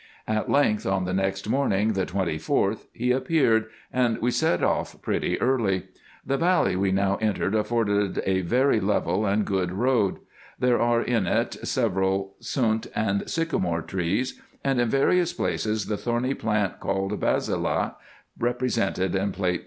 At length, on the next morning, the 24th, he appeared, and we set off pretty early. The valley we now entered afforded a very level IN EGYPT, NUBIA, &c. 305 and good road. There are in it several sunt and sycamore trees, and in various places the thorny plant called basillah, represented in Plate 36.